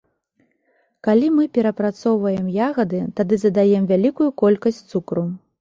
Калі мы перапрацоўваем ягады, тады задаем вялікую колькасць цукру.